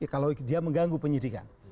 kalau dia mengganggu penyidikan